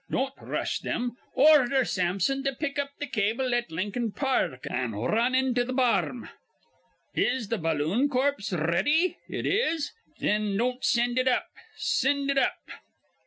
Don't r rush thim. Ordher Sampson to pick up th' cable at Lincoln Par rk, an' run into th' bar rn. Is th' balloon corpse r ready? It is? Thin don't sind it up. Sind it up.